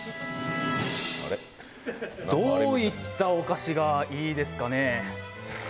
どういったお菓子がいいですかね。